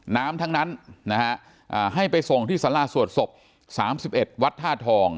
ทั้งนั้นนะฮะให้ไปส่งที่สาราสวดศพ๓๑วัดท่าทอง